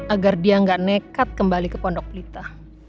agar dia gak nekat kembali ke pondok plita